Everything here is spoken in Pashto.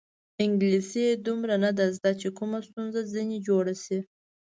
انګلیسي یې دومره نه ده زده چې کومه ستونزه ځنې جوړه شي.